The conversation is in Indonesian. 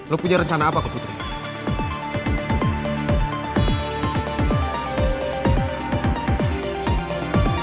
lo punya rencana apakah putri